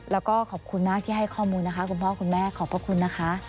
แล้วก็ขอบคุณมากที่ให้ข้อมูลนะคะคุณพ่อคุณแม่ขอบพระคุณนะคะ